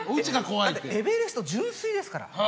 だってエベレストは純粋ですから。